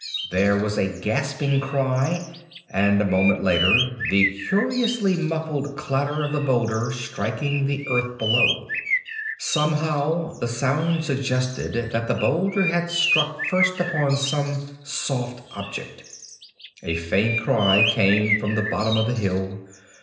There was a gasping cry, and a moment later the curiously muffled clatter of the boulder striking the earth below. Somehow, the sound suggested that the boulder had struck first upon some soft object. A faint cry came from the bottom of the hill.